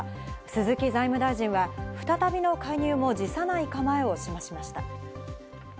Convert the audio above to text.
鈴木財務大臣は再びの介入も辞さない構えを示しました。